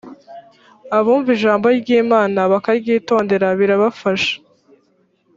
abumva ijambo ry’ imana bakaryitondera birabafasha.